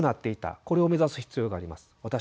これを目指す必要があります。